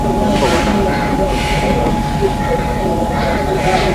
Kifo kwa mnyama muathirika kinaweza kutokea